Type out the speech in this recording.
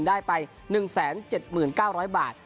ได้ไป๑๗๙๐๐บาท